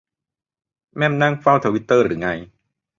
แม่มนั่งเฝ้าทวิตเตอร์รึไง